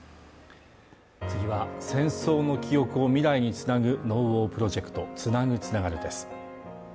次は戦争の記憶を未来につなぐ「ＮＯＷＡＲプロジェクトつなぐ、つながる」です